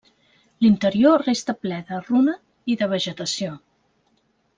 L'interior resta ple de runa i de vegetació.